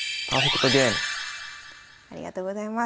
ありがとうございます。